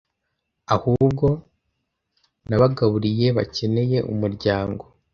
Ahubwo. Nabagaburiye bakeneye umuryango,